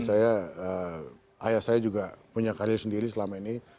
saya ayah saya juga punya karir sendiri selama ini